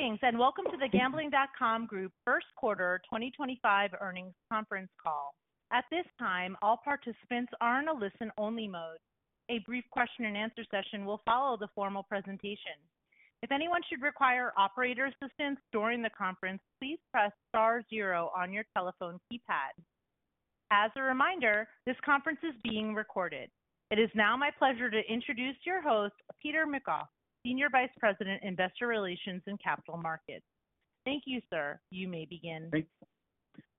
Greetings and welcome to the Gambling.com Group First Quarter 2025 earnings conference call. At this time, all participants are in a listen-only mode. A brief question-and-answer session will follow the formal presentation. If anyone should require operator assistance during the conference, please press star zero on your telephone keypad. As a reminder, this conference is being recorded. It is now my pleasure to introduce your host, Peter McGough, Senior Vice President, Investor Relations and Capital Markets. Thank you, sir. You may begin.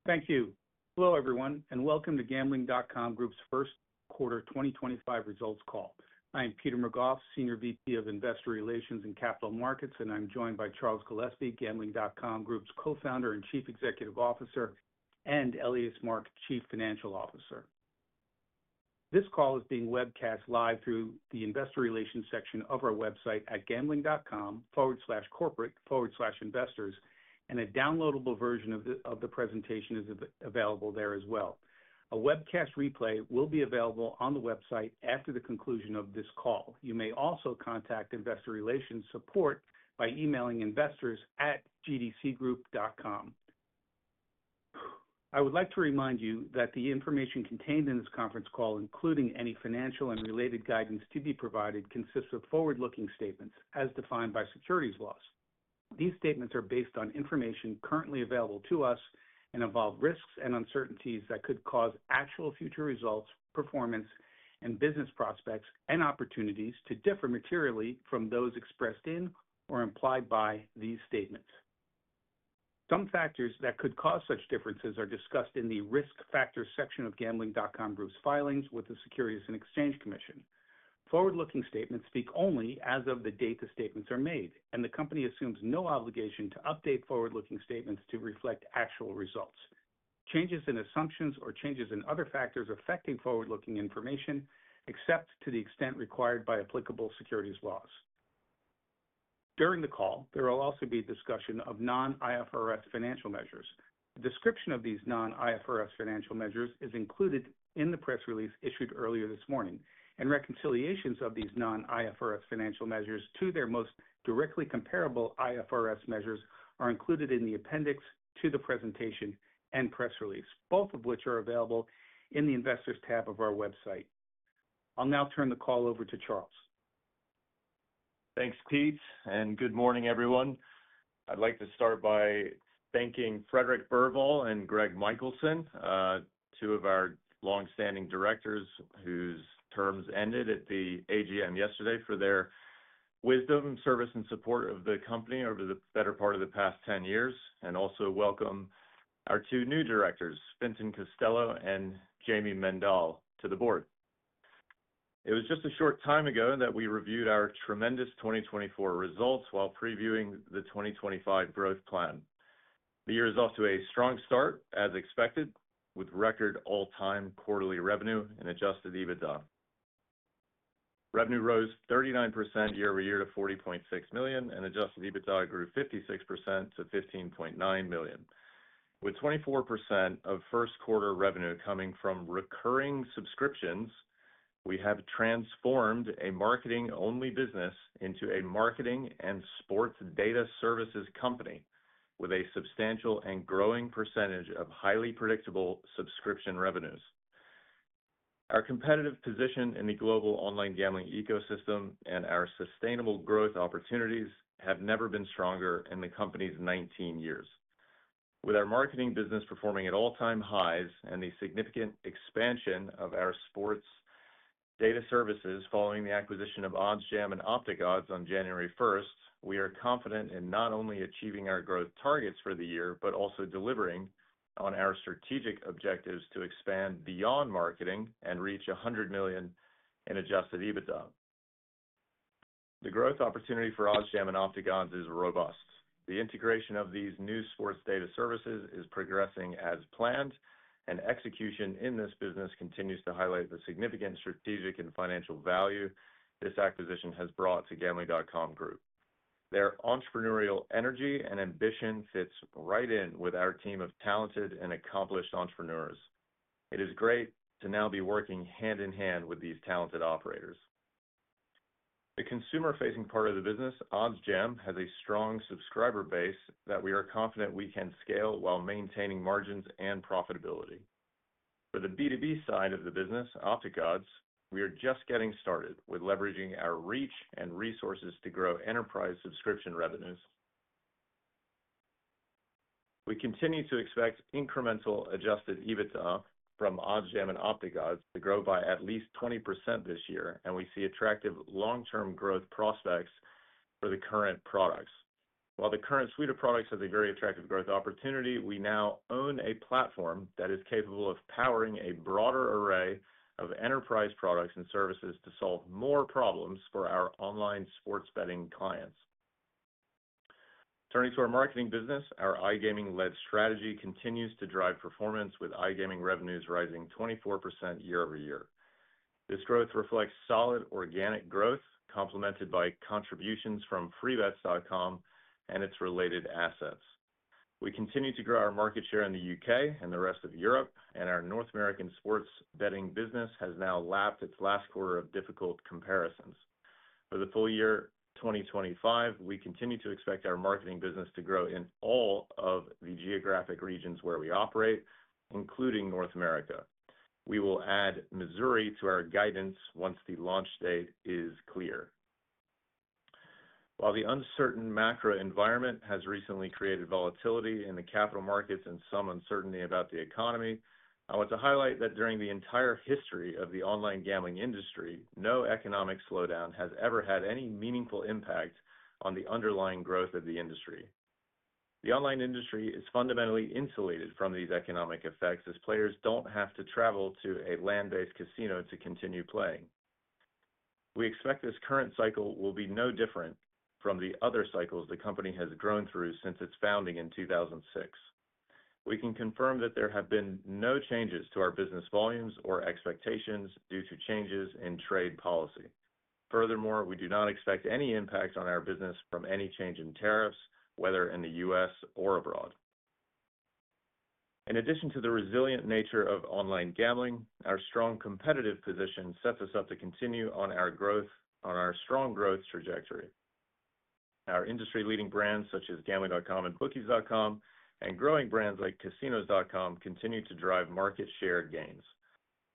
Thank you. Hello, everyone, and welcome to Gambling.com Group's First Quarter 2025 results call. I am Peter McGough, Senior VP of Investor Relations and Capital Markets, and I'm joined by Charles Gillespie, Gambling.com Group's Co-Founder and Chief Executive Officer, and Elias Mark, Chief Financial Officer. This call is being webcast live through the Investor Relations section of our website at gambling.com/corporate/investors, and a downloadable version of the presentation is available there as well. A webcast replay will be available on the website after the conclusion of this call. You may also contact Investor Relations Support by emailing investors@gdcgroup.com. I would like to remind you that the information contained in this conference call, including any financial and related guidance to be provided, consists of forward-looking statements as defined by securities laws. These statements are based on information currently available to us and involve risks and uncertainties that could cause actual future results, performance, and business prospects, and opportunities to differ materially from those expressed in or implied by these statements. Some factors that could cause such differences are discussed in the risk factors section of Gambling.com Group's filings with the Securities and Exchange Commission. Forward-looking statements speak only as of the date the statements are made, and the company assumes no obligation to update forward-looking statements to reflect actual results. Changes in assumptions or changes in other factors affecting forward-looking information except to the extent required by applicable securities laws. During the call, there will also be discussion of non-IFRS financial measures. A description of these non-IFRS financial measures is included in the press release issued earlier this morning, and reconciliations of these non-IFRS financial measures to their most directly comparable IFRS measures are included in the appendix to the presentation and press release, both of which are available in the Investors tab of our website. I'll now turn the call over to Charles. Thanks, Pete, and good morning, everyone. I'd like to start by thanking Fredrik Burvall and Gregg Michaelson, two of our long-standing directors whose terms ended at the AGM yesterday for their wisdom, service, and support of the company over the better part of the past 10 years. I also welcome our two new directors, Fintan Costello and Jayme Mendal, to the board. It was just a short time ago that we reviewed our tremendous 2024 results while previewing the 2025 growth plan. The year is off to a strong start, as expected, with record all-time quarterly revenue and adjusted EBITDA. Revenue rose 39% year-over-year to $40.6 million, and adjusted EBITDA grew 56% to $15.9 million. With 24% of first-quarter revenue coming from recurring subscriptions, we have transformed a marketing-only business into a marketing and sports data services company with a substantial and growing percentage of highly predictable subscription revenues. Our competitive position in the global online gambling ecosystem and our sustainable growth opportunities have never been stronger in the company's 19 years. With our marketing business performing at all-time highs and the significant expansion of our sports data services following the acquisition of OddsJam and OpticOdds on January 1st, we are confident in not only achieving our growth targets for the year, but also delivering on our strategic objectives to expand beyond marketing and reach $100 million in adjusted EBITDA. The growth opportunity for OddsJam and OpticOdds is robust. The integration of these new sports data services is progressing as planned, and execution in this business continues to highlight the significant strategic and financial value this acquisition has brought to Gambling.com Group. Their entrepreneurial energy and ambition fits right in with our team of talented and accomplished entrepreneurs. It is great to now be working hand in hand with these talented operators. The consumer-facing part of the business, OddsJam, has a strong subscriber base that we are confident we can scale while maintaining margins and profitability. For the B2B side of the business, OpticOdds, we are just getting started with leveraging our reach and resources to grow enterprise subscription revenues. We continue to expect incremental adjusted EBITDA from OddsJam and OpticOdds to grow by at least 20% this year, and we see attractive long-term growth prospects for the current products. While the current suite of products has a very attractive growth opportunity, we now own a platform that is capable of powering a broader array of enterprise products and services to solve more problems for our online sports betting clients. Turning to our marketing business, our iGaming-led strategy continues to drive performance, with iGaming revenues rising 24% year-over-year. This growth reflects solid organic growth, complemented by contributions from Freebets.com and its related assets. We continue to grow our market share in the U.K. and the rest of Europe, and our North American sports betting business has now lapped its last quarter of difficult comparisons. For the full year 2025, we continue to expect our marketing business to grow in all of the geographic regions where we operate, including North America. We will add Missouri to our guidance once the launch date is clear. While the uncertain macro environment has recently created volatility in the capital markets and some uncertainty about the economy, I want to highlight that during the entire history of the online gambling industry, no economic slowdown has ever had any meaningful impact on the underlying growth of the industry. The online industry is fundamentally insulated from these economic effects as players do not have to travel to a land-based casino to continue playing. We expect this current cycle will be no different from the other cycles the company has grown through since its founding in 2006. We can confirm that there have been no changes to our business volumes or expectations due to changes in trade policy. Furthermore, we do not expect any impact on our business from any change in tariffs, whether in the U.S. or abroad. In addition to the resilient nature of online gambling, our strong competitive position sets us up to continue on our strong growth trajectory. Our industry-leading brands such as Gambling.com and Bookies.com and growing brands like Casinos.com continue to drive market share gains.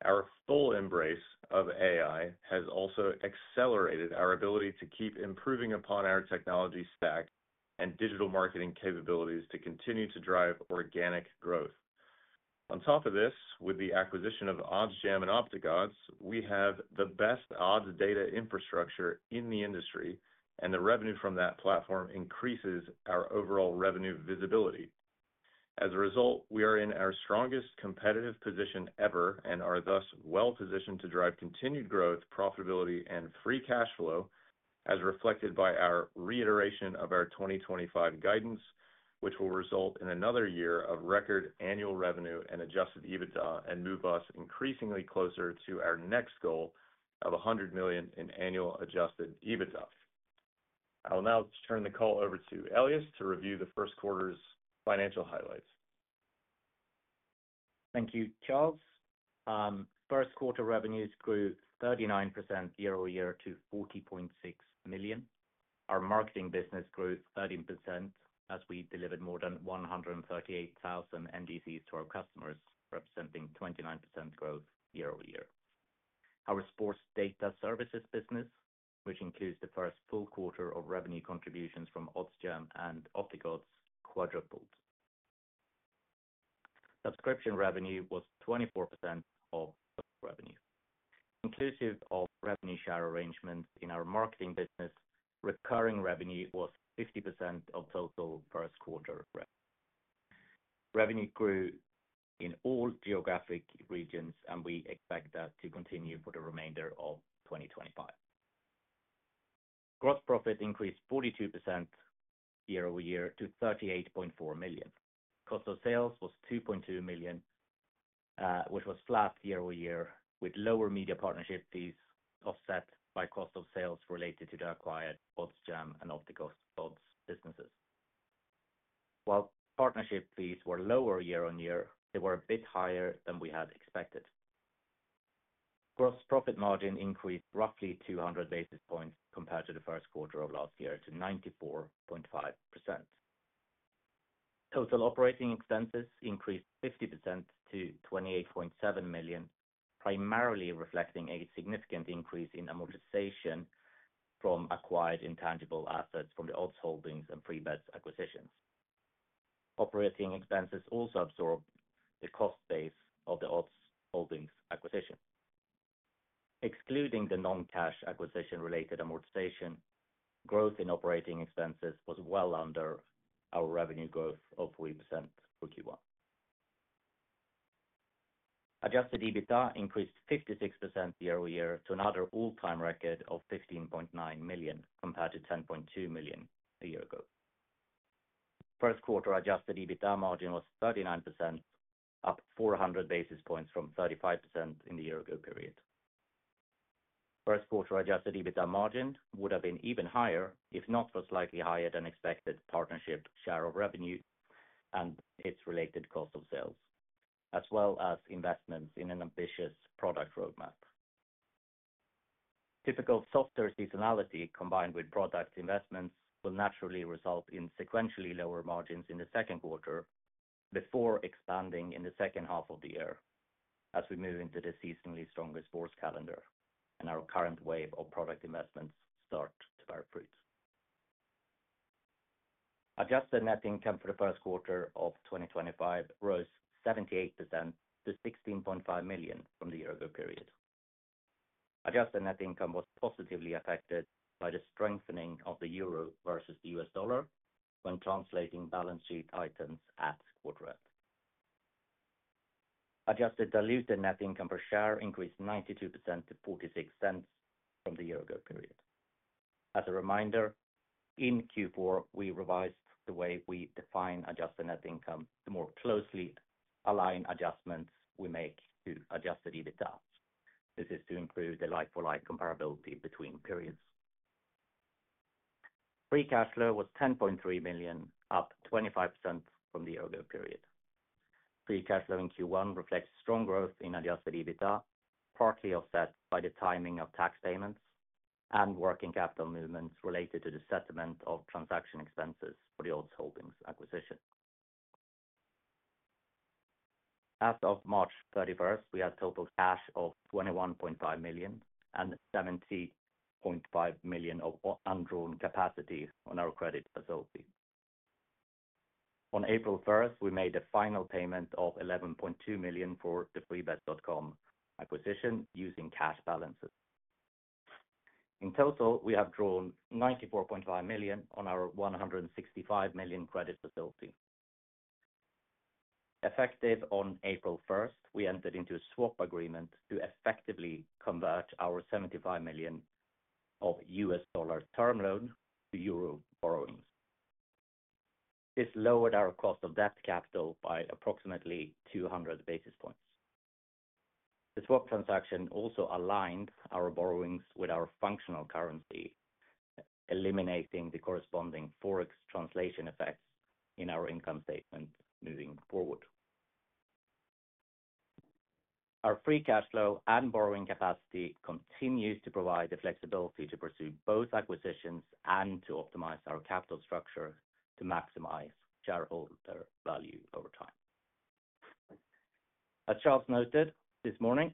Our full embrace of AI has also accelerated our ability to keep improving upon our technology stack and digital marketing capabilities to continue to drive organic growth. On top of this, with the acquisition of OddsJam and OpticOdds, we have the best odds data infrastructure in the industry, and the revenue from that platform increases our overall revenue visibility. As a result, we are in our strongest competitive position ever and are thus well-positioned to drive continued growth, profitability, and free cash flow, as reflected by our reiteration of our 2025 guidance, which will result in another year of record annual revenue and adjusted EBITDA and move us increasingly closer to our next goal of $100 million in annual adjusted EBITDA. I'll now turn the call over to Elias to review the first quarter's financial highlights. Thank you, Charles. First quarter revenues grew 39% year-over-year to $40.6 million. Our marketing business grew 13% as we delivered more than 138,000 NDCs to our customers, representing 29% growth year-over-year. Our sports data services business, which includes the first full quarter of revenue contributions from OddsJam and OpticOdds, quadrupled. Subscription revenue was 24% of revenue. Inclusive of revenue share arrangement in our marketing business, recurring revenue was 50% of total first quarter revenue. Revenue grew in all geographic regions, and we expect that to continue for the remainder of 2025. Gross profit increased 42% year-over-year to $38.4 million. Cost of sales was $2.2 million, which was flat year-over-year, with lower media partnership fees offset by cost of sales related to the acquired OddsJam and OpticOdds businesses. While partnership fees were lower year on year, they were a bit higher than we had expected. Gross profit margin increased roughly 200 basis points compared to the first quarter of last year to 94.5%. Total operating expenses increased 50% to $28.7 million, primarily reflecting a significant increase in amortization from acquired intangible assets from the OddsJam and Freebets.com acquisitions. Operating expenses also absorbed the cost base of the OddsJam acquisition. Excluding the non-cash acquisition-related amortization, growth in operating expenses was well under our revenue growth of 40% for Q1. Adjusted EBITDA increased 56% year-over-year to another all-time record of $15.9 million compared to $10.2 million a year ago. First quarter adjusted EBITDA margin was 39%, up 400 basis points from 35% in the year-ago period. First quarter adjusted EBITDA margin would have been even higher if not for slightly higher-than-expected partnership share of revenue and its related cost of sales, as well as investments in an ambitious product roadmap. Typical softer seasonality combined with product investments will naturally result in sequentially lower margins in the second quarter before expanding in the second half of the year as we move into the seasonally stronger sports calendar and our current wave of product investments start to bear fruit. Adjusted net income for the first quarter of 2025 rose 78% to $16.5 million from the year-ago period. Adjusted net income was positively affected by the strengthening of the euro versus the US dollar when translating balance sheet items at quarter end. Adjusted diluted net income per share increased 92% to $0.46 from the year-ago period. As a reminder, in Q4, we revised the way we define adjusted net income to more closely align adjustments we make to adjusted EBITDA. This is to improve the like-for-like comparability between periods. Free cash flow was $10.3 million, up 25% from the year-ago period. Free cash flow in Q1 reflects strong growth in adjusted EBITDA, partly offset by the timing of tax payments and working capital movements related to the settlement of transaction expenses for the OddsJam acquisition. As of March 31, we had total cash of $21.5 million and $70.5 million of undrawn capacity on our credit facility. On April 1, we made a final payment of $11.2 million for the Freebets.com acquisition using cash balances. In total, we have drawn $94.5 million on our $165 million credit facility. Effective on April 1st, we entered into a swap agreement to effectively convert our $75 million of US dollar term loan to euro borrowings. This lowered our cost of debt capital by approximately 200 basis points. The swap transaction also aligned our borrowings with our functional currency, eliminating the corresponding forex translation effects in our income statement moving forward. Our free cash flow and borrowing capacity continues to provide the flexibility to pursue both acquisitions and to optimize our capital structure to maximize shareholder value over time. As Charles noted this morning,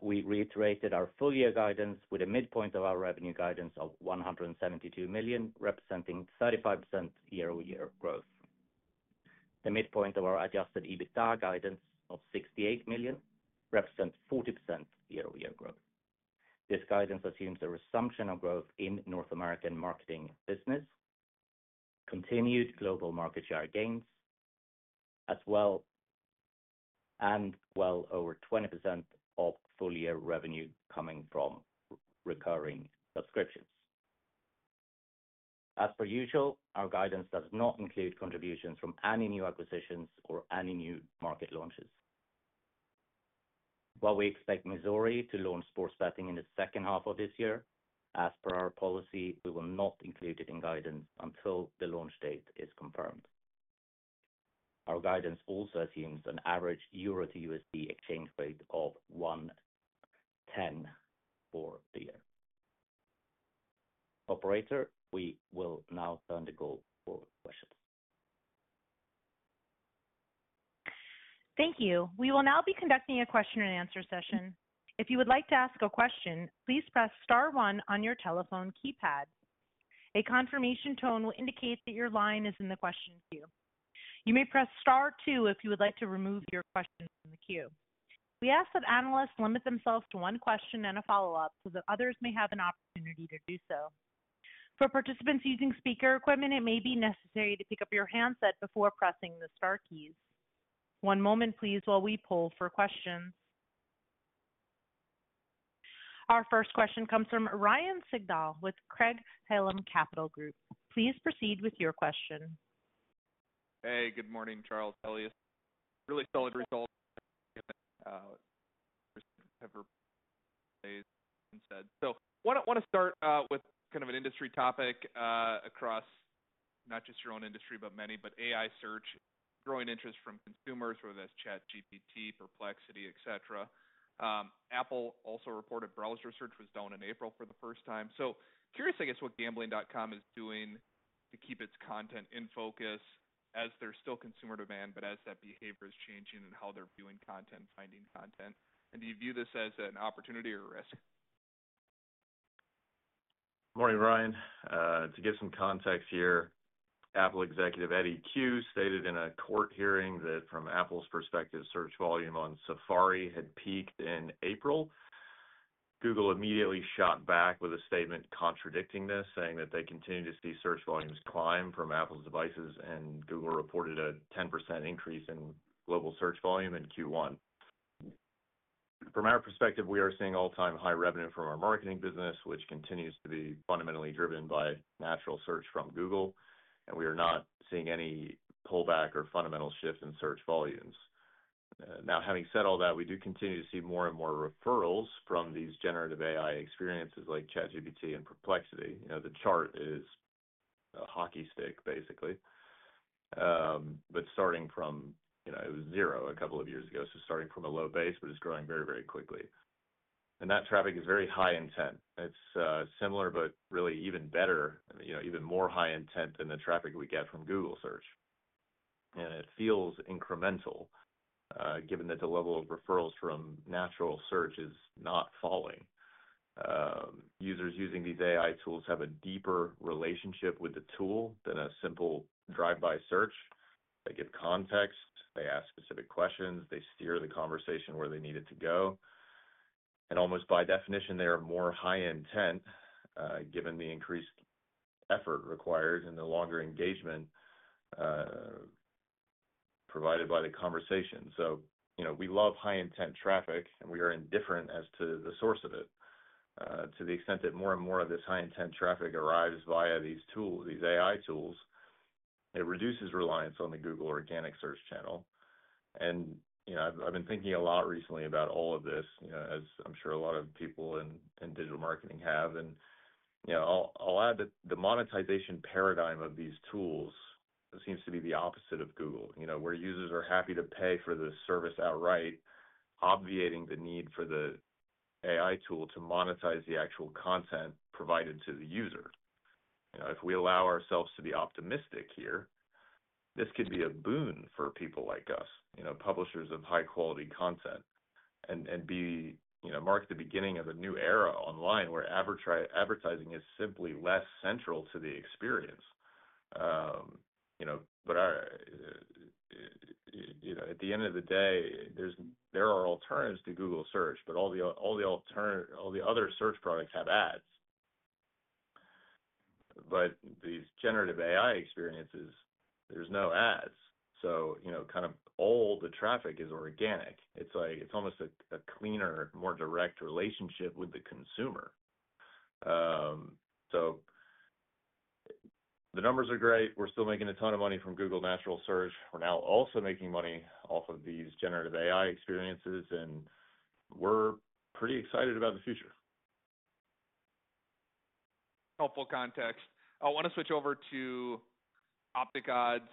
we reiterated our full year guidance with a midpoint of our revenue guidance of $172 million, representing 35% year-over-year growth. The midpoint of our adjusted EBITDA guidance of $68 million represents 40% year-over-year growth. This guidance assumes a resumption of growth in North American marketing business, continued global market share gains, as well as well over 20% of full year revenue coming from recurring subscriptions. As per usual, our guidance does not include contributions from any new acquisitions or any new market launches. While we expect Missouri to launch sports betting in the second half of this year, as per our policy, we will not include it in guidance until the launch date is confirmed. Our guidance also assumes an average EUR to USD exchange rate of 1.10 for the year. Operator, we will now turn to Go for questions. Thank you. We will now be conducting a question-and-answer session. If you would like to ask a question, please press Star 1 on your telephone keypad. A confirmation tone will indicate that your line is in the question queue. You may press Star 2 if you would like to remove your question from the queue. We ask that analysts limit themselves to one question and a follow-up so that others may have an opportunity to do so. For participants using speaker equipment, it may be necessary to pick up your handset before pressing the Star keys. One moment, please, while we pull for questions. Our first question comes from Ryan Sigdahl with Craig-Hallum Capital Group. Please proceed with your question. Hey, good morning, Charles. Really solid results that everybody said. I want to start with kind of an industry topic across not just your own industry, but many, but AI search, growing interest from consumers, whether that's ChatGPT, Perplexity, etc. Apple also reported browser search was down in April for the first time. Curious, I guess, what Gambling.com is doing to keep its content in focus as there's still consumer demand, but as that behavior is changing and how they're viewing content, finding content. Do you view this as an opportunity or a risk? Good morning, Ryan. To give some context here, Apple executive Eddy Cue stated in a court hearing that from Apple's perspective, search volume on Safari had peaked in April. Google immediately shot back with a statement contradicting this, saying that they continue to see search volumes climb from Apple's devices, and Google reported a 10% increase in global search volume in Q1. From our perspective, we are seeing all-time high revenue from our marketing business, which continues to be fundamentally driven by natural search from Google, and we are not seeing any pullback or fundamental shift in search volumes. Now, having said all that, we do continue to see more and more referrals from these generative AI experiences like ChatGPT and Perplexity. The chart is a hockey stick, basically. Starting from, it was zero a couple of years ago, so starting from a low base, but it is growing very, very quickly. That traffic is very high intent. It is similar, but really even better, even more high intent than the traffic we get from Google search. It feels incremental, given that the level of referrals from natural search is not falling. Users using these AI tools have a deeper relationship with the tool than a simple drive-by search. They give context, they ask specific questions, they steer the conversation where they need it to go. Almost by definition, they are more high intent, given the increased effort required and the longer engagement provided by the conversation. We love high-intent traffic, and we are indifferent as to the source of it. To the extent that more and more of this high-intent traffic arrives via these tools, these AI tools, it reduces reliance on the Google organic search channel. I have been thinking a lot recently about all of this, as I am sure a lot of people in digital marketing have. I will add that the monetization paradigm of these tools seems to be the opposite of Google, where users are happy to pay for the service outright, obviating the need for the AI tool to monetize the actual content provided to the user. If we allow ourselves to be optimistic here, this could be a boon for people like us, publishers of high-quality content, and mark the beginning of a new era online where advertising is simply less central to the experience. At the end of the day, there are alternatives to Google search, but all the other search products have ads. These generative AI experiences, there's no ads. All the traffic is organic. It's almost a cleaner, more direct relationship with the consumer. The numbers are great. We're still making a ton of money from Google natural search. We're now also making money off of these generative AI experiences, and we're pretty excited about the future. Helpful context. I want to switch over to OpticOdds.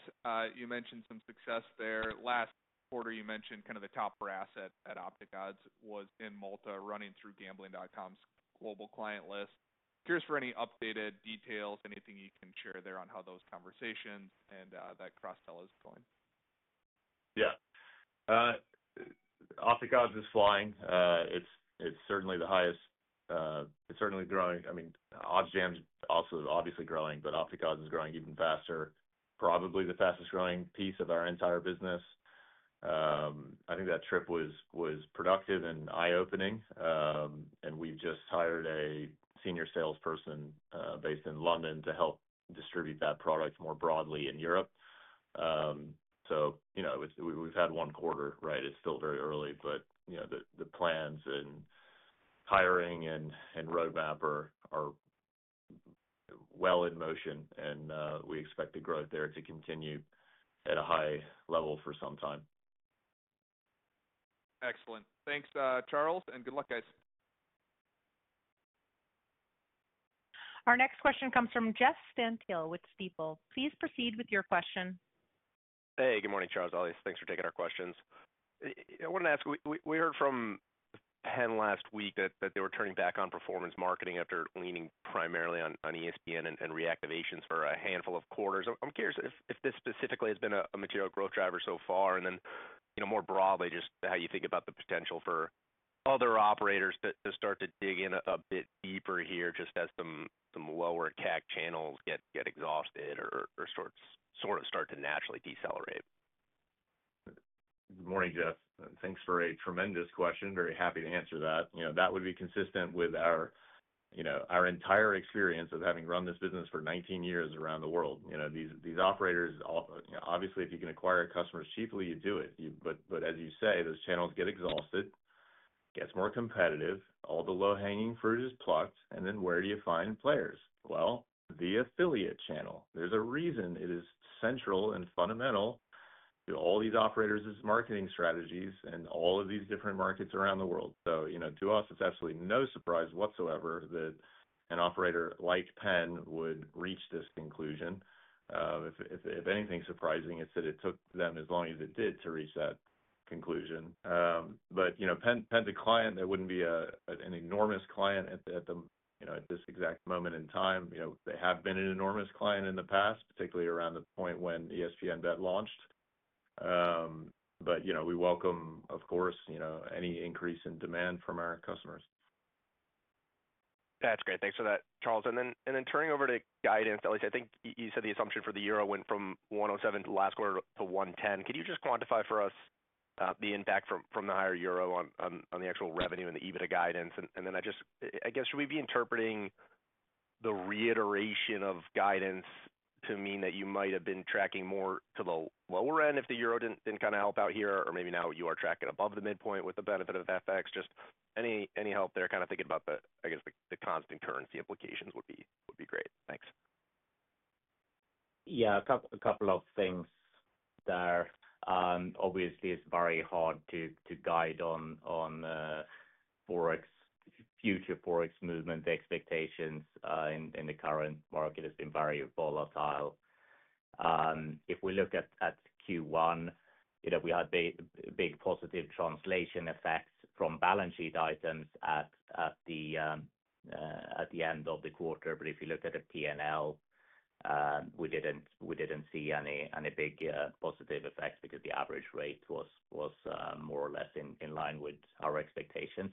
You mentioned some success there. Last quarter, you mentioned kind of the top brass at OpticOdds was in Malta running through Gambling.com's global client list. Curious for any updated details, anything you can share there on how those conversations and that cross-sell is going. Yeah. OpticOdds is flying. It is certainly the highest. It is certainly growing. I mean, OddsJam is also obviously growing, but OpticOdds is growing even faster, probably the fastest growing piece of our entire business. I think that trip was productive and eye-opening. We have just hired a senior salesperson based in London to help distribute that product more broadly in Europe. We have had one quarter, right? It is still very early, but the plans and hiring and roadmap are well in motion, and we expect the growth there to continue at a high level for some time. Excellent. Thanks, Charles, and good luck, guys. Our next question comes from Jeff Stantial with Stifel. Please proceed with your question. Hey, good morning, Charles, Elias. Thanks for taking our questions. I want to ask, we heard from Penn last week that they were turning back on performance marketing after leaning primarily on ESPN and reactivations for a handful of quarters. I'm curious if this specifically has been a material growth driver so far, and then more broadly, just how you think about the potential for other operators to start to dig in a bit deeper here just as some lower-tack channels get exhausted or sort of start to naturally decelerate. Good morning, Jeff. Thanks for a tremendous question. Very happy to answer that. That would be consistent with our entire experience of having run this business for 19 years around the world. These operators, obviously, if you can acquire customers cheaply, you do it. As you say, those channels get exhausted, get more competitive, all the low-hanging fruit is plucked, and then where do you find players? The affiliate channel. There is a reason it is central and fundamental to all these operators' marketing strategies and all of these different markets around the world. To us, it is absolutely no surprise whatsoever that an operator like Penn would reach this conclusion. If anything surprising, it is that it took them as long as it did to reach that conclusion. Penn is a client that would not be an enormous client at this exact moment in time. They have been an enormous client in the past, particularly around the point when ESPN Bet launched. We welcome, of course, any increase in demand from our customers. That's great. Thanks for that, Charles. Turning over to guidance, at least, I think you said the assumption for the euro went from 1.07 last quarter to 1.10. Could you just quantify for us the impact from the higher euro on the actual revenue and the EBITDA guidance? I guess, should we be interpreting the reiteration of guidance to mean that you might have been tracking more to the lower end if the euro did not kind of help out here, or maybe now you are tracking above the midpoint with the benefit of FX? Any help there, kind of thinking about the, I guess, the constant currency implications would be great. Thanks. Yeah, a couple of things there. Obviously, it's very hard to guide on future forex movement expectations in the current market. It's been very volatile. If we look at Q1, we had big positive translation effects from balance sheet items at the end of the quarter. If you look at the P&L, we didn't see any big positive effects because the average rate was more or less in line with our expectations.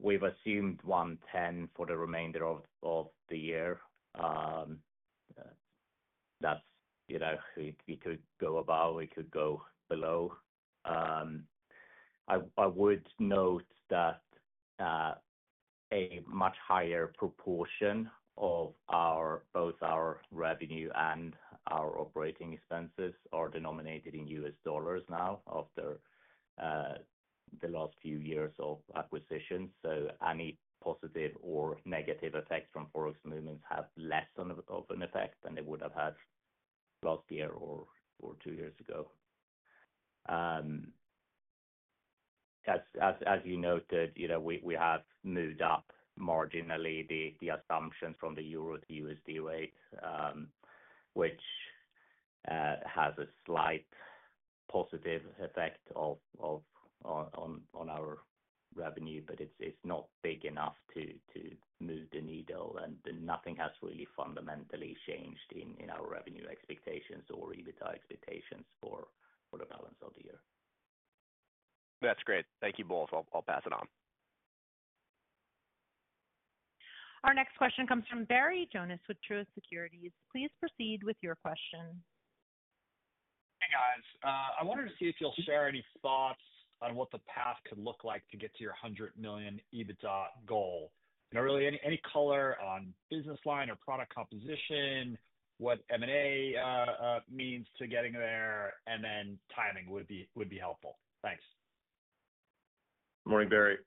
We've assumed 1.10 for the remainder of the year. That's if we could go above, we could go below. I would note that a much higher proportion of both our revenue and our operating expenses are denominated in US dollars now after the last few years of acquisitions. Any positive or negative effects from forex movements have less of an effect than they would have had last year or two years ago. As you noted, we have moved up marginally the assumptions from the euro to USD rate, which has a slight positive effect on our revenue, but it's not big enough to move the needle, and nothing has really fundamentally changed in our revenue expectations or EBITDA expectations for the balance of the year. That's great. Thank you both. I'll pass it on. Our next question comes from Barry Jonas with Truist Securities. Please proceed with your question. Hey, guys. I wanted to see if you'll share any thoughts on what the path could look like to get to your $100 million EBITDA goal. Really, any color on business line or product composition, what M&A means to getting there, and then timing would be helpful. Thanks. Good morning, Barry.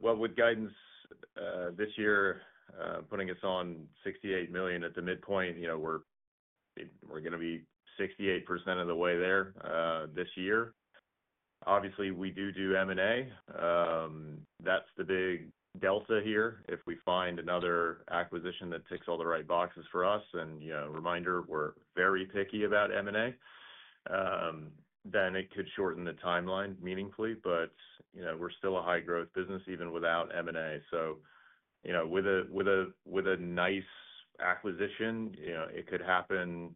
With guidance this year putting us on $68 million at the midpoint, we're going to be 68% of the way there this year. Obviously, we do do M&A. That's the big delta here. If we find another acquisition that ticks all the right boxes for us, and reminder, we're very picky about M&A, then it could shorten the timeline meaningfully. We're still a high-growth business even without M&A. With a nice acquisition, it could happen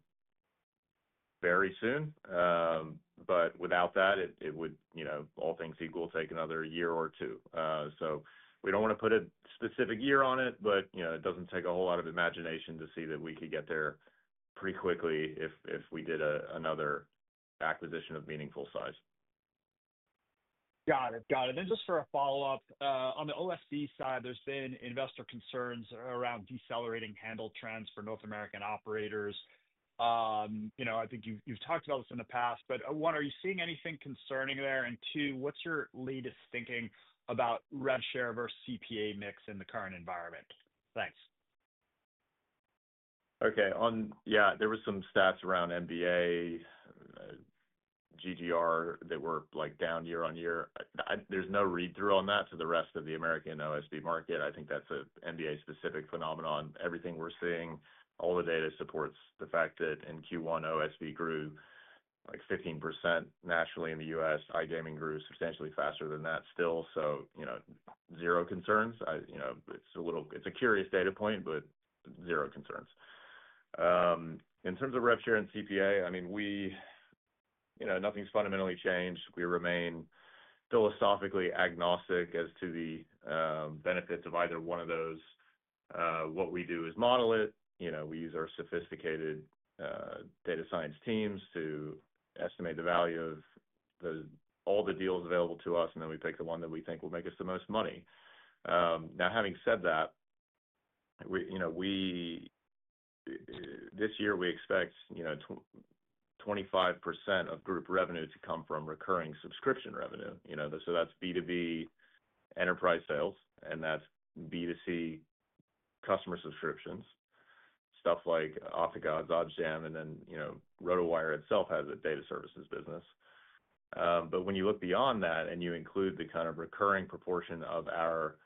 very soon. Without that, it would, all things equal, take another year or two. We don't want to put a specific year on it, but it doesn't take a whole lot of imagination to see that we could get there pretty quickly if we did another acquisition of meaningful size. Got it. Got it. Just for a follow-up, on the OSB side, there's been investor concerns around decelerating handle trends for North American operators. I think you've talked about this in the past, but one, are you seeing anything concerning there? Two, what's your latest thinking about red share versus CPA mix in the current environment? Thanks. Okay. Yeah. There were some stats around NBA, GDR that were down year on year. There's no read-through on that to the rest of the American OSB market. I think that's an NBA-specific phenomenon. Everything we're seeing, all the data supports the fact that in Q1, OSB grew like 15% nationally in the U.S. iGaming grew substantially faster than that still. Zero concerns. It's a curious data point, but zero concerns. In terms of red share and CPA, I mean, nothing's fundamentally changed. We remain philosophically agnostic as to the benefits of either one of those. What we do is model it. We use our sophisticated data science teams to estimate the value of all the deals available to us, and then we pick the one that we think will make us the most money. Now, having said that, this year, we expect 25% of group revenue to come from recurring subscription revenue. So that's B2B enterprise sales, and that's B2C customer subscriptions, stuff like OpticOdds, OddsJam, and then RotoWire itself has a data services business. But when you look beyond that and you include the kind of recurring proportion of our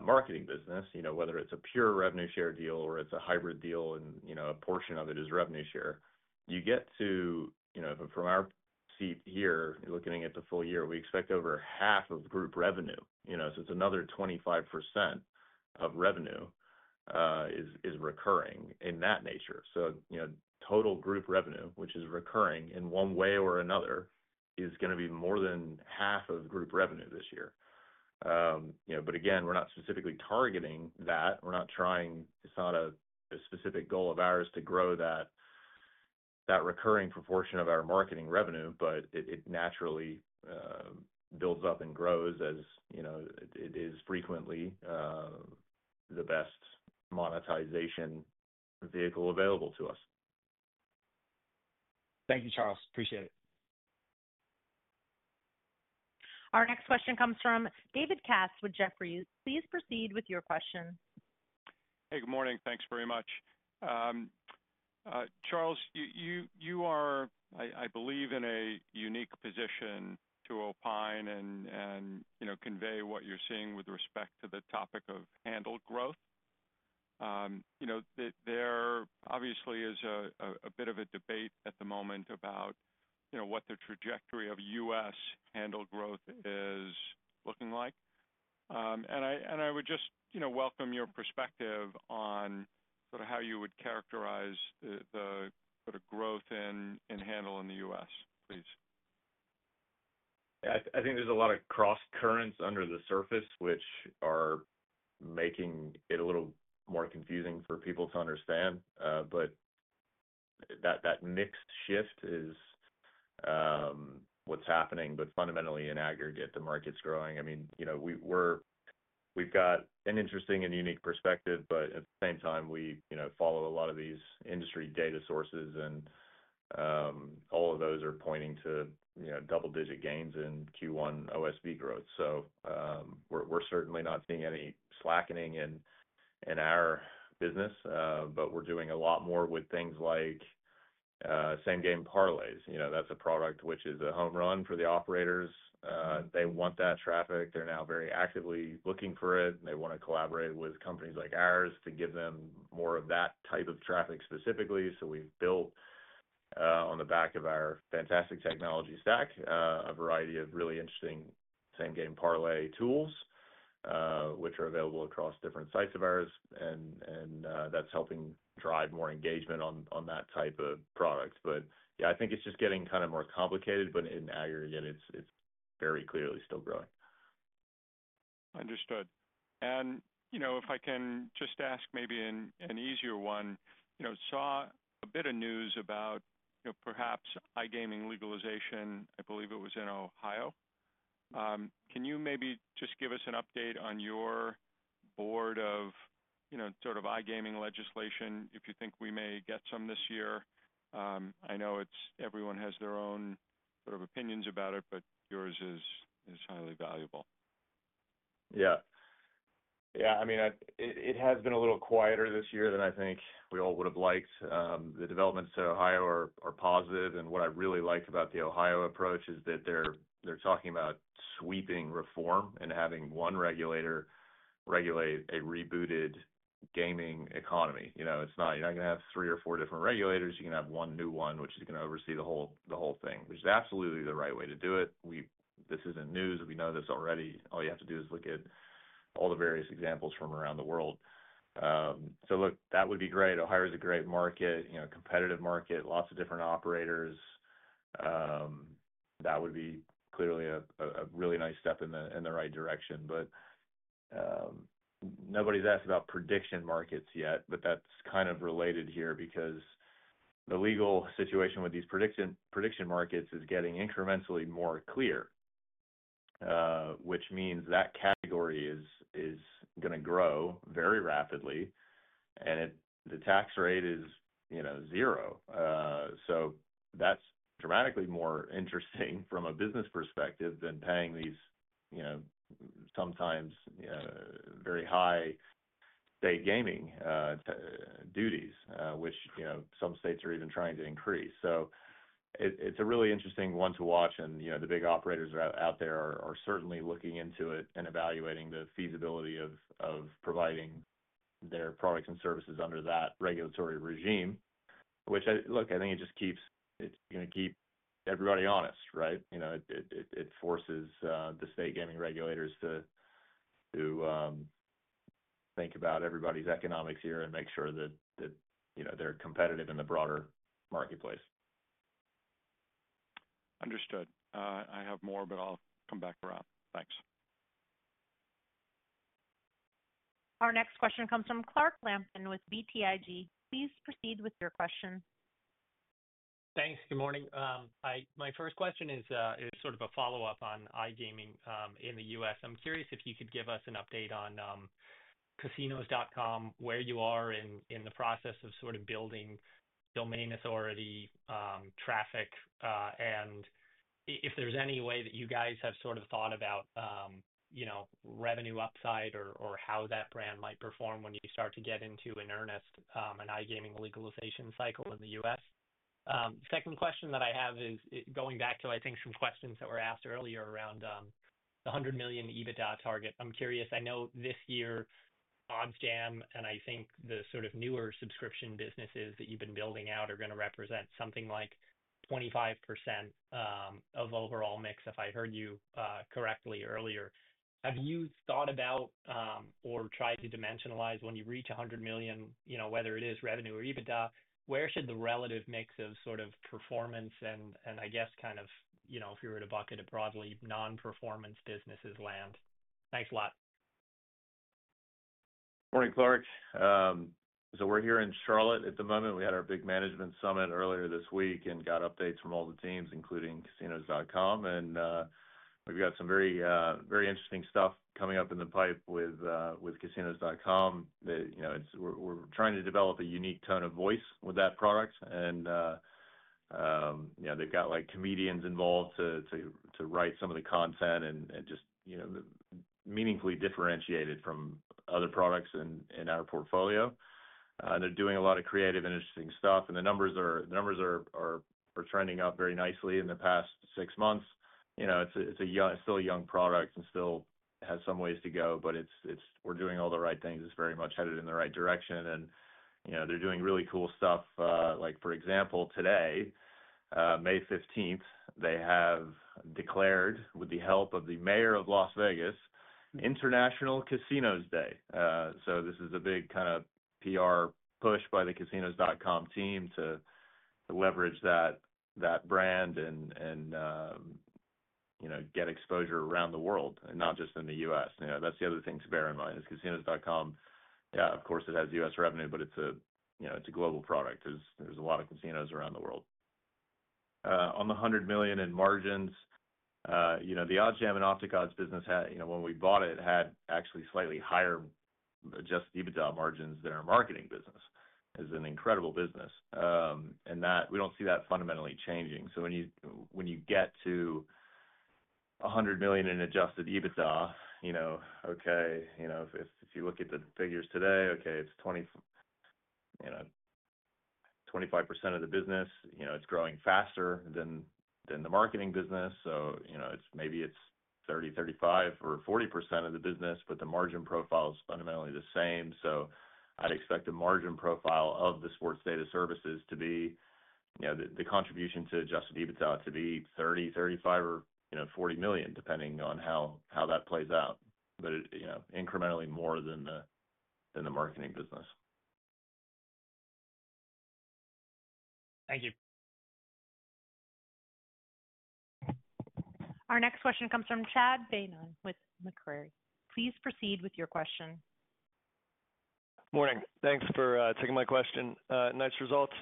marketing business, whether it's a pure revenue share deal or it's a hybrid deal and a portion of it is revenue share, you get to, from our seat here, looking at the full year, we expect over half of group revenue. So it's another 25% of revenue is recurring in that nature. Total group revenue, which is recurring in one way or another, is going to be more than half of group revenue this year. Again, we're not specifically targeting that. We're not trying—it's not a specific goal of ours to grow that recurring proportion of our marketing revenue, but it naturally builds up and grows as it is frequently the best monetization vehicle available to us. Thank you, Charles. Appreciate it. Our next question comes from David Katz with Jefferies. Please proceed with your question. Hey, good morning. Thanks very much. Charles, you are, I believe, in a unique position to opine and convey what you're seeing with respect to the topic of handle growth. There obviously is a bit of a debate at the moment about what the trajectory of U.S. handle growth is looking like. I would just welcome your perspective on sort of how you would characterize the growth in handle in the U.S., please. I think there's a lot of cross currents under the surface, which are making it a little more confusing for people to understand. That mixed shift is what's happening. Fundamentally, in aggregate, the market's growing. I mean, we've got an interesting and unique perspective, but at the same time, we follow a lot of these industry data sources, and all of those are pointing to double-digit gains in Q1 OSB growth. We're certainly not seeing any slackening in our business, but we're doing a lot more with things like same-game parlays. That's a product which is a home run for the operators. They want that traffic. They're now very actively looking for it, and they want to collaborate with companies like ours to give them more of that type of traffic specifically. We've built, on the back of our fantastic technology stack, a variety of really interesting same-game parlay tools, which are available across different sites of ours, and that's helping drive more engagement on that type of product. Yeah, I think it's just getting kind of more complicated, but in aggregate, it's very clearly still growing. Understood. If I can just ask maybe an easier one, saw a bit of news about perhaps iGaming legalization, I believe it was in Ohio. Can you maybe just give us an update on your board of sort of iGaming legislation, if you think we may get some this year? I know everyone has their own sort of opinions about it, but yours is highly valuable. Yeah. Yeah. I mean, it has been a little quieter this year than I think we all would have liked. The developments to Ohio are positive. What I really like about the Ohio approach is that they're talking about sweeping reform and having one regulator regulate a rebooted gaming economy. You're not going to have three or four different regulators. You're going to have one new one, which is going to oversee the whole thing, which is absolutely the right way to do it. This isn't news. We know this already. All you have to do is look at all the various examples from around the world. Look, that would be great. Ohio is a great market, competitive market, lots of different operators. That would be clearly a really nice step in the right direction. Nobody's asked about prediction markets yet, but that's kind of related here because the legal situation with these prediction markets is getting incrementally more clear, which means that category is going to grow very rapidly, and the tax rate is zero. That's dramatically more interesting from a business perspective than paying these sometimes very high state gaming duties, which some states are even trying to increase. It's a really interesting one to watch, and the big operators out there are certainly looking into it and evaluating the feasibility of providing their products and services under that regulatory regime, which, look, I think it's going to keep everybody honest, right? It forces the state gaming regulators to think about everybody's economics here and make sure that they're competitive in the broader marketplace. Understood. I have more, but I'll come back around. Thanks. Our next question comes from Clark Lampen with BTIG. Please proceed with your question. Thanks. Good morning. My first question is sort of a follow-up on iGaming in the U.S. I'm curious if you could give us an update on Casinos.com, where you are in the process of sort of building domain authority traffic, and if there's any way that you guys have sort of thought about revenue upside or how that brand might perform when you start to get into an earnest and iGaming legalization cycle in the U.S. Second question that I have is going back to, I think, some questions that were asked earlier around the $100 million EBITDA target. I'm curious. I know this year, OddsJam, and I think the sort of newer subscription businesses that you've been building out are going to represent something like 25% of overall mix, if I heard you correctly earlier. Have you thought about or tried to dimensionalize when you reach $100 million, whether it is revenue or EBITDA? Where should the relative mix of sort of performance and, I guess, kind of if you were to bucket it broadly, non-performance businesses land? Thanks a lot. Morning, Clark. We're here in Charlotte at the moment. We had our big management summit earlier this week and got updates from all the teams, including Casinos.com. We've got some very interesting stuff coming up in the pipe with Casinos.com. We're trying to develop a unique tone of voice with that product. They've got comedians involved to write some of the content and just meaningfully differentiate it from other products in our portfolio. They're doing a lot of creative and interesting stuff, and the numbers are trending up very nicely in the past six months. It's still a young product and still has some ways to go, but we're doing all the right things. It's very much headed in the right direction. They're doing really cool stuff. For example, today, May 15th, they have declared, with the help of the mayor of Las Vegas, International Casinos Day. This is a big kind of PR push by the Casinos.com team to leverage that brand and get exposure around the world and not just in the U.S. That's the other thing to bear in mind is Casinos.com. Yeah, of course, it has U.S. revenue, but it's a global product. There's a lot of casinos around the world. On the $100 million in margins, the OddsJam and OpticOdds business, when we bought it, had actually slightly higher adjusted EBITDA margins than our marketing business. It's an incredible business. We don't see that fundamentally changing. When you get to $100 million in adjusted EBITDA, if you look at the figures today, it's 25% of the business. It's growing faster than the marketing business. Maybe it's 30%, 35%, or 40% of the business, but the margin profile is fundamentally the same. I'd expect the margin profile of the sports data services to be the contribution to adjusted EBITDA to be $30 million, $35 million, or $40 million, depending on how that plays out, but incrementally more than the marketing business. Thank you. Our next question comes from Chad Beynon with Macquarie. Please proceed with your question. Morning. Thanks for taking my question. Nice results.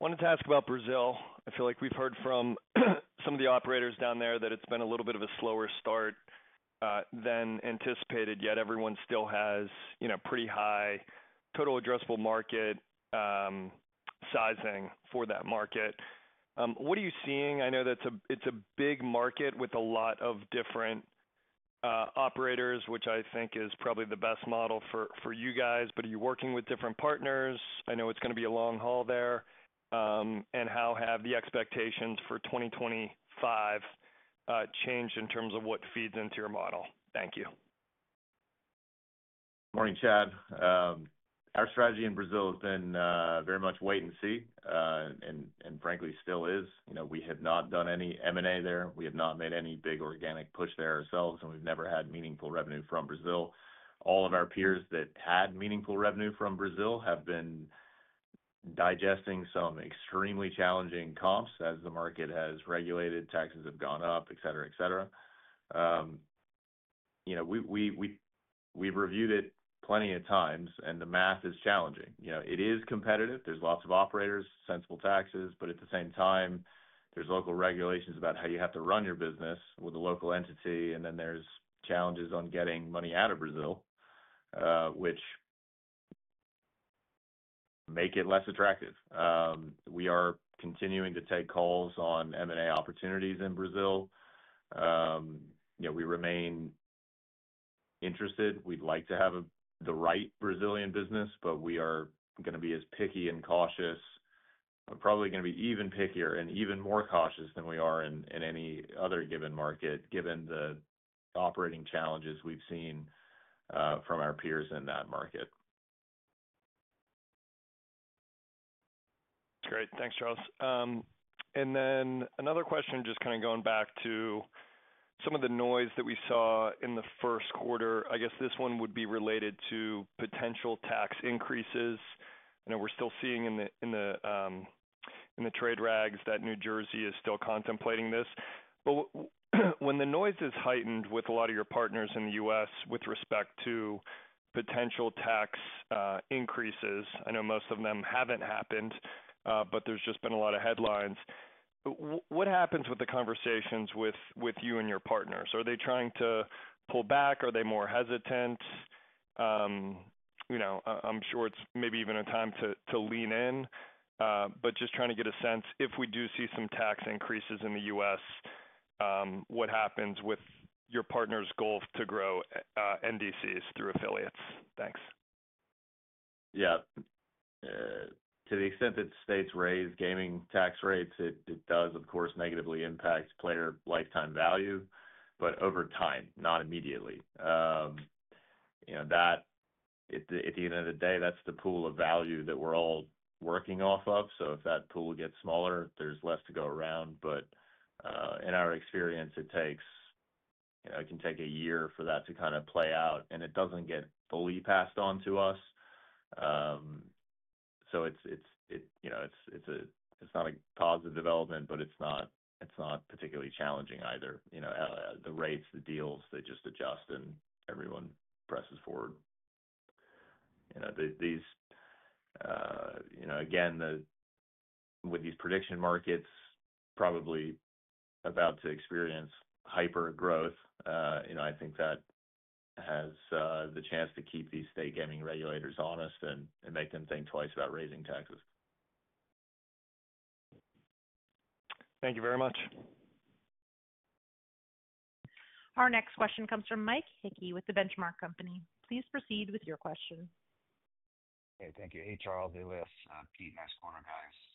Wanted to ask about Brazil. I feel like we've heard from some of the operators down there that it's been a little bit of a slower start than anticipated, yet everyone still has pretty high total addressable market sizing for that market. What are you seeing? I know that it's a big market with a lot of different operators, which I think is probably the best model for you guys, but are you working with different partners? I know it's going to be a long haul there. How have the expectations for 2025 changed in terms of what feeds into your model? Thank you. Morning, Chad. Our strategy in Brazil has been very much wait and see, and frankly, still is. We have not done any M&A there. We have not made any big organic push there ourselves, and we have never had meaningful revenue from Brazil. All of our peers that had meaningful revenue from Brazil have been digesting some extremely challenging comps as the market has regulated, taxes have gone up, etc., etc. We have reviewed it plenty of times, and the math is challenging. It is competitive. There are lots of operators, sensible taxes, but at the same time, there are local regulations about how you have to run your business with a local entity, and then there are challenges on getting money out of Brazil, which make it less attractive. We are continuing to take calls on M&A opportunities in Brazil. We remain interested. We'd like to have the right Brazilian business, but we are going to be as picky and cautious, probably going to be even pickier and even more cautious than we are in any other given market, given the operating challenges we've seen from our peers in that market. Great. Thanks, Charles. Then another question, just kind of going back to some of the noise that we saw in the first quarter. I guess this one would be related to potential tax increases. I know we're still seeing in the trade rags that New Jersey is still contemplating this. When the noise is heightened with a lot of your partners in the U.S. with respect to potential tax increases, I know most of them have not happened, but there has just been a lot of headlines. What happens with the conversations with you and your partners? Are they trying to pull back? Are they more hesitant? I'm sure it is maybe even a time to lean in, but just trying to get a sense, if we do see some tax increases in the U.S., what happens with your partners' goal to grow NDCs through affiliates? Thanks. Yeah. To the extent that states raise gaming tax rates, it does, of course, negatively impact player lifetime value, but over time, not immediately. At the end of the day, that's the pool of value that we're all working off of. If that pool gets smaller, there's less to go around. In our experience, it can take a year for that to kind of play out, and it doesn't get fully passed on to us. It's not a positive development, but it's not particularly challenging either. The rates, the deals, they just adjust, and everyone presses forward. Again, with these prediction markets, probably about to experience hyper growth, I think that has the chance to keep these state gaming regulators honest and make them think twice about raising taxes. Thank you very much. Our next question comes from Mike Hickey with The Benchmark Company. Please proceed with your question. Hey, thank you. Hey, Charles. Hey, Elias. Pete, nice quarter, guys.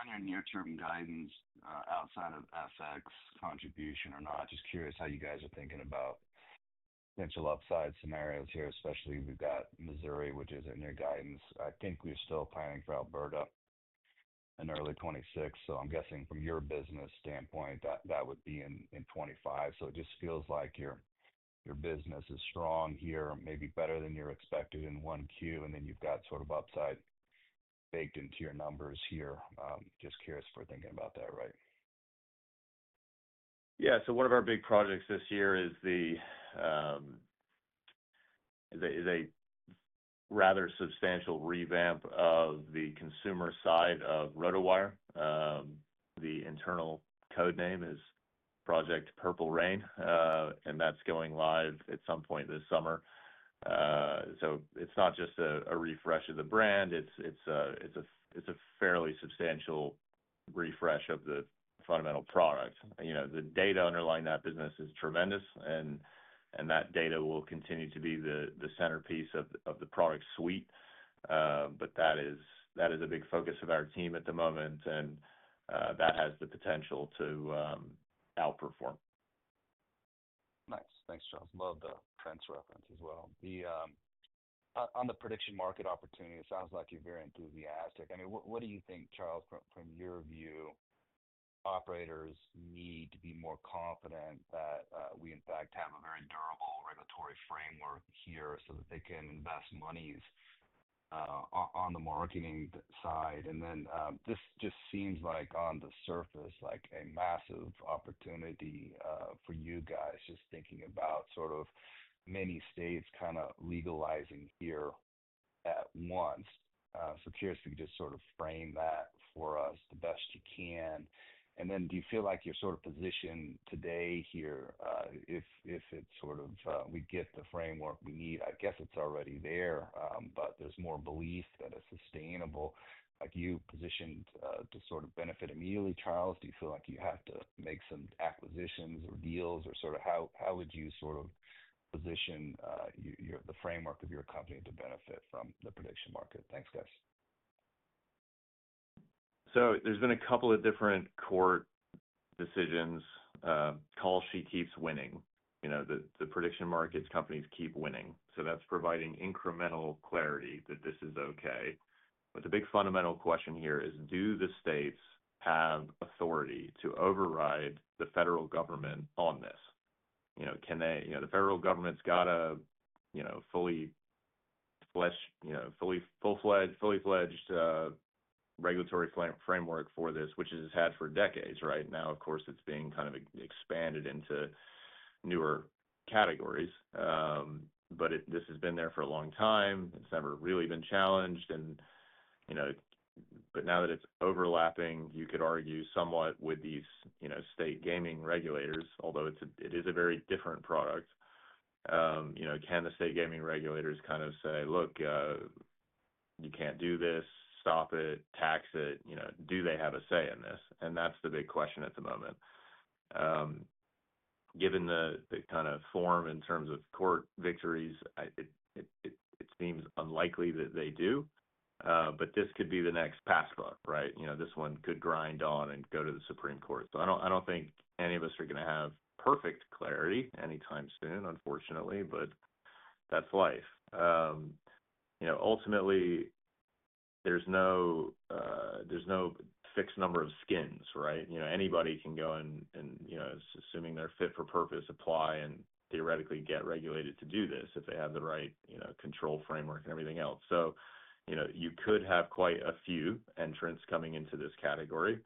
Thanks for taking our questions. Just, I guess, on your near-term guidance outside of FX contribution or not, just curious how you guys are thinking about potential upside scenarios here, especially we've got Missouri, which is in your guidance. I think we're still planning for Alberta in early 2026, so I'm guessing from your business standpoint, that would be in 2025. It just feels like your business is strong here, maybe better than you expected in Q1, and then you've got sort of upside baked into your numbers here. Just curious if we're thinking about that right? Yeah. One of our big projects this year is a rather substantial revamp of the consumer side of RotoWire. The internal code name is Project Purple Rain, and that's going live at some point this summer. It's not just a refresh of the brand. It's a fairly substantial refresh of the fundamental product. The data underlying that business is tremendous, and that data will continue to be the centerpiece of the product suite, but that is a big focus of our team at the moment, and that has the potential to outperform. Nice. Thanks, Charles. Love the fence reference as well. On the prediction market opportunity, it sounds like you're very enthusiastic. I mean, what do you think, Charles, from your view, operators need to be more confident that we, in fact, have a very durable regulatory framework here so that they can invest monies on the marketing side? This just seems like, on the surface, like a massive opportunity for you guys, just thinking about sort of many states kind of legalizing here at once. Curious if you could just sort of frame that for us the best you can. Do you feel like you're sort of positioned today here if it's sort of we get the framework we need? I guess it's already there, but there's more belief that it's sustainable. Are you positioned to sort of benefit immediately, Charles? Do you feel like you have to make some acquisitions or deals, or sort of how would you sort of position the framework of your company to benefit from the prediction market? Thanks, guys. There's been a couple of different court decisions. Kalshi keeps winning. The prediction markets companies keep winning. That's providing incremental clarity that this is okay. The big fundamental question here is, do the states have authority to override the federal government on this? The federal government's got a fully fledged regulatory framework for this, which it has had for decades, right? Now, of course, it's being kind of expanded into newer categories. This has been there for a long time. It's never really been challenged. Now that it's overlapping, you could argue somewhat with these state gaming regulators, although it is a very different product. Can the state gaming regulators kind of say, "Look, you can't do this. Stop it. Tax it." Do they have a say in this? That's the big question at the moment. Given the kind of form in terms of court victories, it seems unlikely that they do. This could be the next passcode, right? This one could grind on and go to the Supreme Court. I do not think any of us are going to have perfect clarity anytime soon, unfortunately, but that is life. Ultimately, there is no fixed number of skins, right? Anybody can go and, assuming they are fit for purpose, apply and theoretically get regulated to do this if they have the right control framework and everything else. You could have quite a few entrants coming into this category.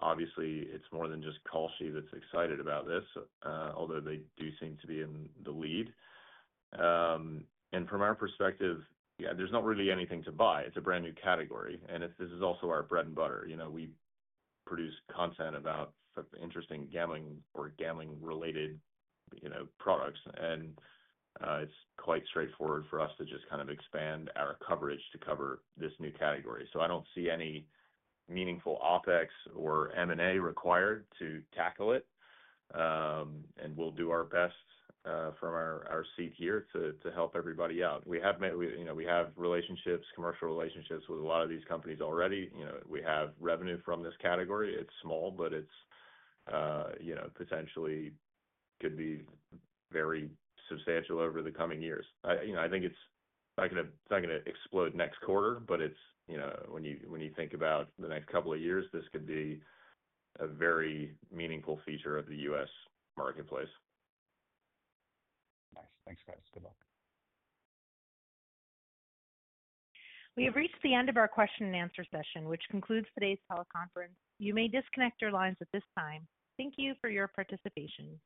Obviously, it is more than just Kalshi that is excited about this, although they do seem to be in the lead. From our perspective, yeah, there is not really anything to buy. It is a brand new category. This is also our bread and butter. We produce content about interesting gambling or gambling-related products. It is quite straightforward for us to just kind of expand our coverage to cover this new category. I do not see any meaningful OpEx or M&A required to tackle it. We will do our best from our seat here to help everybody out. We have relationships, commercial relationships with a lot of these companies already. We have revenue from this category. It is small, but it potentially could be very substantial over the coming years. I think it is not going to explode next quarter, but when you think about the next couple of years, this could be a very meaningful feature of the U.S. marketplace. Nice. Thanks, guys. Good luck. We have reached the end of our question-and-answer session, which concludes today's teleconference. You may disconnect your lines at this time. Thank you for your participation.